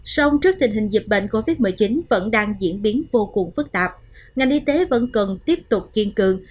sông trước tình hình dịch bệnh covid một mươi chín vẫn đang diễn biến vô cùng phức tạp ngành y tế vẫn cần tiếp tục kiên cường